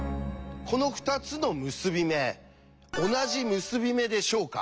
この２つの結び目同じ結び目でしょうか？